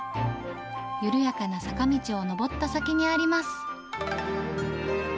緩やかな坂道を上った先にあります。